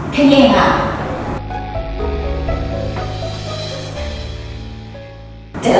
แค่นี้ทั้งเงี้ย